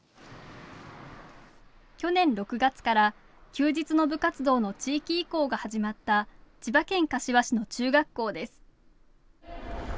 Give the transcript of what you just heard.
去年６月から休日の部活動の地域移行が始まった千葉県柏市の中学校です。